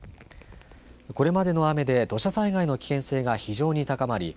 これまでの雨で土砂災害の危険性が非常に高まり